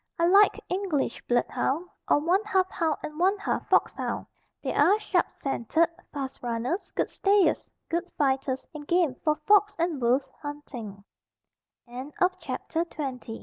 I like English blood hound or one half hound and one half fox hound. They are sharp scented, fast runners, good stayers, good fighters and game for fox and wolf hunt